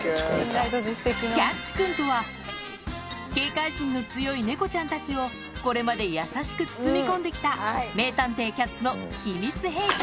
キャッチくんとは、警戒心の強い猫ちゃんたちをこれまで優しく包み込んできた、名探偵キャッツの秘密兵器。